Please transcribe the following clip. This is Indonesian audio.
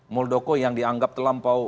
muldoko yang dianggap terlampau